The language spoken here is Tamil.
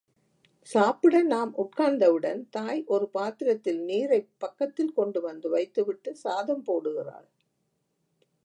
சாப்பிட நாம் உட்கார்ந்தவுடன் தாய் ஒரு பாத்திரத்தில் நீரைப் பக்கத்தில் கொண்டுவந்து வைத்துவிட்டுச் சாதம் போடுகிறாள்.